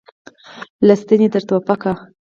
له ستنې تر ټوپکه.